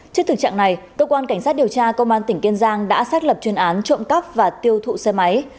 trước thực trạng này cơ quan cảnh sát điều tra công an tỉnh kiên giang đã xác lập chuyên án trộm cắp và tiêu thụ xe máy